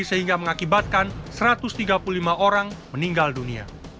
sehingga mengakibatkan satu ratus tiga puluh lima orang meninggal dunia